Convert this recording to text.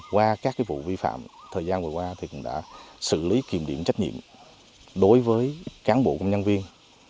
qua các vụ vi phạm thời gian vừa qua cũng đã xử lý kiềm điểm trách nhiệm đối với cán bộ công nhân viên